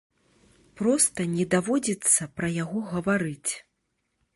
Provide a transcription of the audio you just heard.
Проста не даводзіцца пра яго гаварыць.